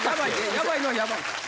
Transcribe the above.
ヤバいのはヤバいから。